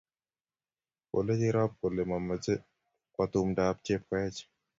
Kole Cherop kole mamoche kwo tumdap Chepkoech